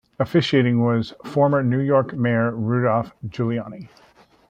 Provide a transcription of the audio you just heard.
Officiating was former New York mayor Rudolph Giuliani.